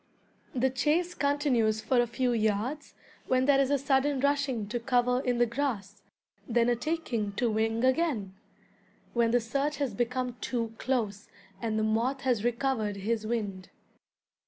The chase continues for a few yards, when there is a sudden rushing to cover in the grass, then a taking to wing again, when the search has become too close, and the moth has recovered his wind.